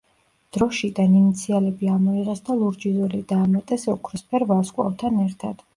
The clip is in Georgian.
დროშიდან ინიციალები ამოიღეს და ლურჯი ზოლი დაამატეს ოქროსფერ ვარსკვლავთან ერთად.